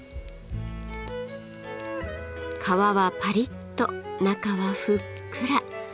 皮はパリッと中はふっくら。